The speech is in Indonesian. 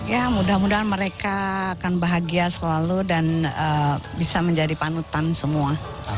ya mudah mudahan mereka akan bahagia selalu dan bisa menjadi panutan semua